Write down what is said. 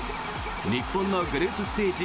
日本のグループステージ